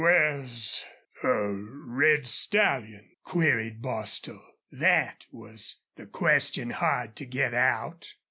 "Where's the red stallion?" queried Bostil. That was the question hard to get out.